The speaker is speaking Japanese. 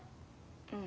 うん。